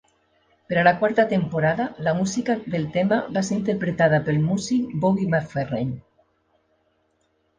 Per a la quarta temporada, la música del tema va ser interpretada pel músic Bobby McFerrin.